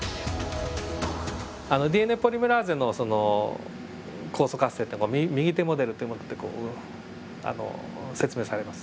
ＤＮＡポリメラーゼのその酵素活性って右手モデルというもので説明されます。